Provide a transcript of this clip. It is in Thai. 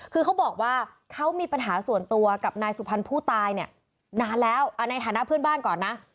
คือเขาบอกว่าเขามีปัญหาส่วนตัวกับนายสุพรรณผู้ตายเนี่ยนานแล้วในฐานะเพื่อนบ้านก่อนนะ